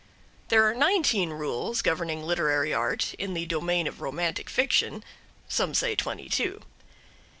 There are nineteen rules governing literary art in the domain of romantic fiction some say twenty two.